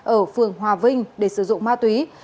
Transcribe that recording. ở phường hòa vinh để sử dụng ma túy